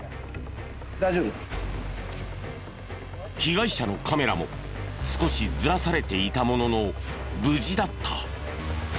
被害者のカメラも少しずらされていたものの無事だった。